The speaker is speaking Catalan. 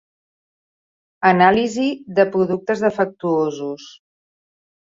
Anàlisi de productes defectuosos.